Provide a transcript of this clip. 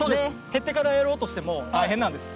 減ってからやろうとしても大変なんです。